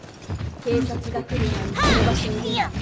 警察が来る前にその場所を出ろ。